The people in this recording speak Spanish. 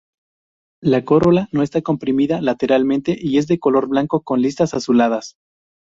La corola no está comprimida lateralmente y es de color blanco con listas azuladas.